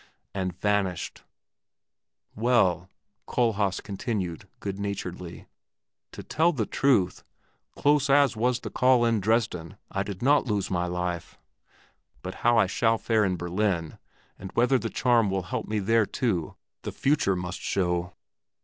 and vanished. Well," Kohlhaas continued good naturedly, "to tell the truth, close as was the call in Dresden, I did not lose my life; but how I shall fare in Berlin and whether the charm will help me out there too, the future must show."